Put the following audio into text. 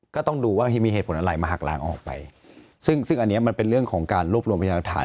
ก็ต้องดูว่ามีเหตุผลอะไรมาหักล้างออกไปซึ่งซึ่งอันนี้มันเป็นเรื่องของการรวบรวมพยานฐาน